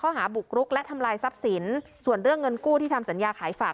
หาบุกรุกและทำลายทรัพย์สินส่วนเรื่องเงินกู้ที่ทำสัญญาขายฝาก